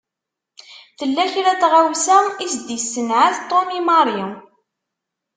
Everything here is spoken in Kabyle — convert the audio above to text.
Tella kra n tɣawsa i s-d-isenɛet Tom i Mary.